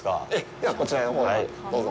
では、こちらのほうへどうぞ。